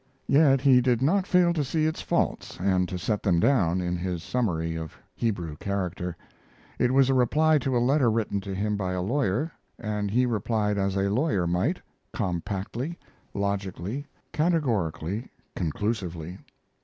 Yet he did not fail to see its faults and to set them down in his summary of Hebrew character. It was a reply to a letter written to him by a lawyer, and he replied as a lawyer might, compactly, logically, categorically, conclusively.